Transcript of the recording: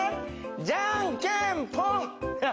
じゃんけんポン！